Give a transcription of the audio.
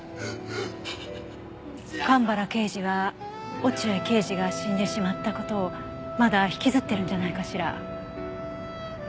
蒲原刑事は落合刑事が死んでしまった事をまだ引きずってるんじゃないかしら？